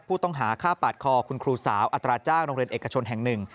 ผู้ต้องหาฆ่าปาดคอคุณครูสาวอัตราจ้างโรงเรียนเอกชนแห่งหนึ่ง